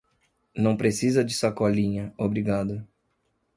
Não precisa de sacolinha, obrigado.